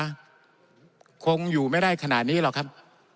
คงอยู่ไม่ได้ขนาดนี้หรอกครับ